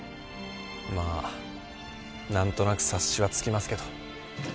まあ何となく察しはつきますけど。